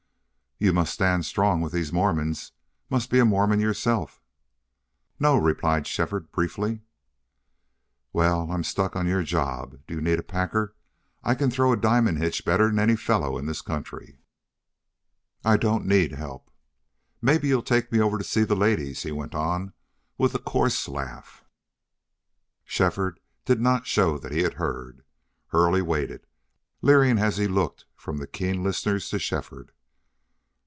"You must stand strong with these Mormons. Must be a Mormon yerself?" "No," replied Shefford, briefly. "Wal, I'm stuck on your job. Do you need a packer? I can throw a diamond hitch better 'n any feller in this country." "I don't need help." "Mebbe you'll take me over to see the ladies," he went on, with a coarse laugh. Shefford did not show that he had heard. Hurley waited, leering as looked from the keen listeners to Shefford.